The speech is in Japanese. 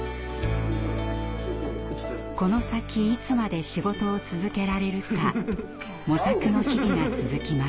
この先いつまで仕事を続けられるか模索の日々が続きます。